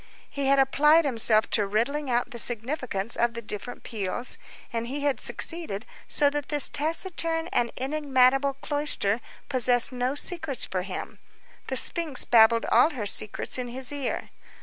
He had applied himself to riddling out the significance of the different peals, and he had succeeded, so that this taciturn and enigmatical cloister possessed no secrets for him; the sphinx babbled all her secrets in his ear.